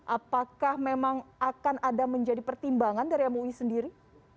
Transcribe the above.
apakah memang akan ada menjadi pertimbangan dari mui sendiri